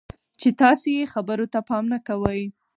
چې تاسې یې خبرو ته پام نه کوئ.